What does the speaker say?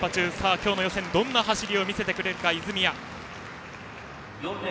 今日の予選どんな走りを見せてくれるか。